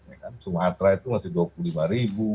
ya kan sumatera itu masih dua puluh lima ribu